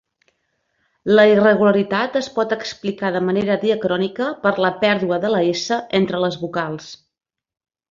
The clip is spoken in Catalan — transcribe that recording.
La irregularitat es pot explicar de manera diacrònica per la pèrdua de la "essa" entre les vocals.